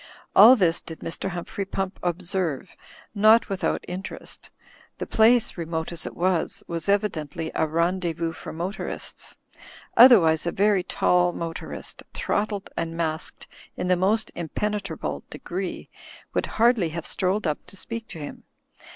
All this did Mr. Humphrey Pump observe, not with out interest The place, remote as it was, was evident ly a rendeZ'Vous for motorists. Otherwise a very tall motorist, throttled and masked in the most impenetra ble degree, would hardly have strolled up to speak to him.